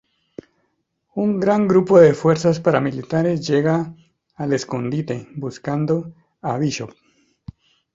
Un gran grupo de fuerzas paramilitares llega al escondite buscando a Bishop.